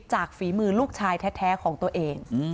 ฝีมือลูกชายแท้ของตัวเอง